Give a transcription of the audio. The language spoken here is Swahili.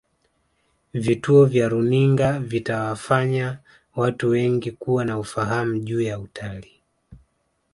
vituo vya runinga vitawafanya watu wengi kuwa na ufahamu juu ya utal